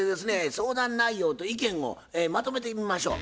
相談内容と意見をまとめてみましょう。